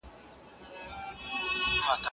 ته نسې کولای چي د بل چا لیکنه کاپي کړې.